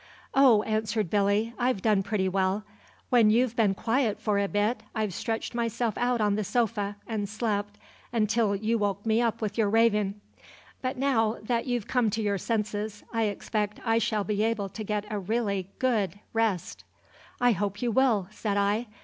"Oh," answered Billy, "I've done pretty well. When you've been quiet for a bit I've stretched myself out on the sofa and slept until you woke me with your ravin'; but now that you've come to your senses I expect I shall be able to get a really good rest." "I hope you will," said I.